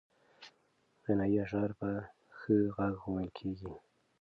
غنایي اشعار په ښه غږ ویل کېږي.